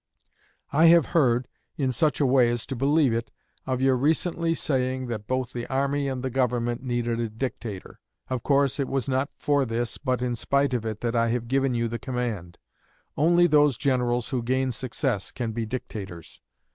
I have heard, in such a way as to believe it, of your recently saying that both the army and the Government needed a dictator. Of course, it was not for this, but in spite of it, that I have given you the command. Only those generals who gain success can be dictators.